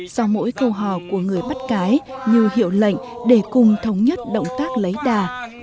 sau mỗi câu hò của người bắt cái như hiệu lệnh để cùng thống nhất động tác lấy đà